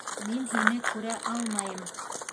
Мин һине күрә алмайым!